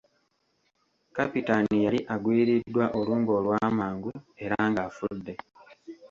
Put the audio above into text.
Kapitaani yali agwiriddwa olumbe olw'amangu era ng'afudde.